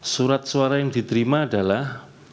surat suara yang diterima adalah